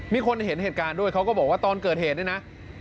มีคนเห็นเหตุการณ์ด้วยเขาก็บอกว่าตอนเกิดเหตุเนี่ยนะ